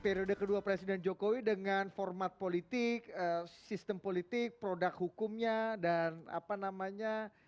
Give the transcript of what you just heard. periode kedua presiden jokowi dengan format politik sistem politik produk hukumnya dan apa namanya